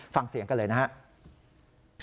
ฟังเสียงกันเลยนะครับ